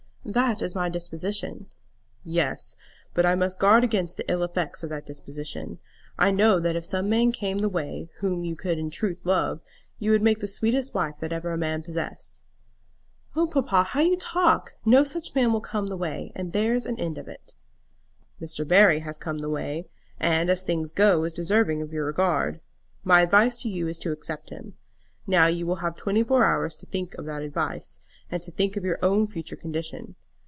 "That is my disposition." "Yes; but I must guard against the ill effects of that disposition. I know that if some man came the way, whom you could in truth love, you would make the sweetest wife that ever a man possessed." "Oh, papa, how you talk! No such man will come the way, and there's an end of it." "Mr. Barry has come the way, and, as things go, is deserving of your regard. My advice to you is to accept him. Now you will have twenty four hours to think of that advice, and to think of your own future condition.